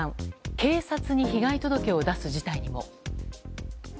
警察に被害届を出す事態にも。